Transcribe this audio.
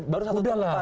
baru satu tempat